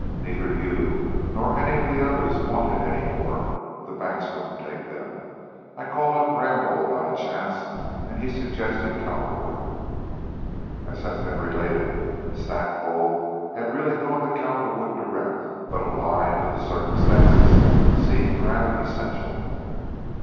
Neither you nor any of the others wanted any more. The banks wouldn't take them. I called up Rambaud on a chance, and he suggested Cowperwood." As has been related, Stackpole had really gone to Cowperwood direct, but a lie under the circumstances seemed rather essential.